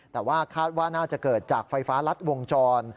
แต่ว่าคาดว่าน่าจะเกิดจากไฟฟ้ารัดวงจร